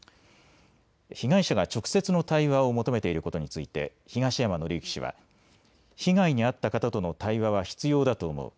被害者が直接の対話を求めていることについて、東山紀之氏は、被害に遭った方との対話は必要だと思う。